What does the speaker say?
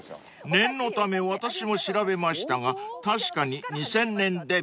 ［念のため私も調べましたが確かに２０００年デビューでした］